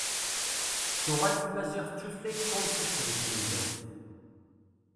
Tuɣal tmaziɣt d tutlayt tunṣbt di tmendawt.